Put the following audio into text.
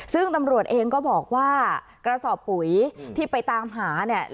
ซึ่งตำรวจเองก็บอกว่ากระสอบปุ๋ยที่ไปตามหาเนี่ย